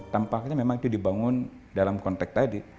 tampaknya memang itu dibangun dalam konteks tadi